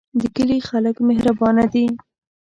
د کلی خلک مهربانه دي